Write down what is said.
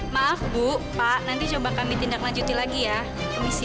maaf bu pak nanti coba kami tindak lanjuti lagi ya